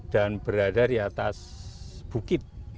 dan berada di atas bukit